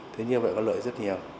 thế như vậy có lợi rất nhiều